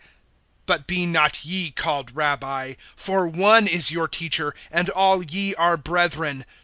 (8)But be not ye called Rabbi; for one is your Teacher, and all ye are brethren.